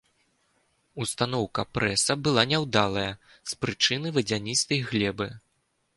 Устаноўка прэса была няўдалая з прычыны вадзяністай глебы.